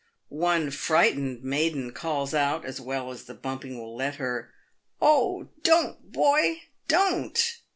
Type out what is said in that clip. One frightened maiden calls out, as well as the bumping will let her, " Oh ! don't, boy, don't